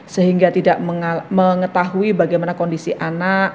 sehingga tidak mengetahui bagaimana kondisi anak